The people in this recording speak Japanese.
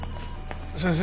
先生